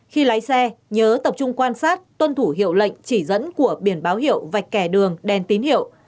khi lái xe nhớ tập trung quan sát tuân thủ hiệu lệnh chỉ dẫn của biển báo hiệu vạch kẻ đường đèn tín hiệu